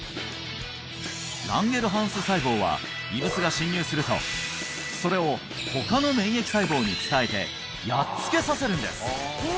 ランゲルハンス細胞は異物が侵入するとそれを他の免疫細胞に伝えてやっつけさせるんです